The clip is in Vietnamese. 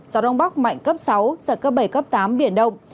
gió đông bắc mạnh cấp sáu giật cấp bảy cấp tám biển động